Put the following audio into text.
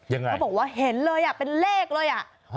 ยังไงเขาบอกว่าเห็นเลยเป็นเลขเลย